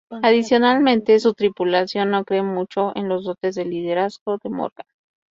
Adicionalmente su tripulación no cree mucho en las dotes de liderazgo de Morgan.